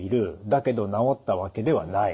だけど治ったわけではない。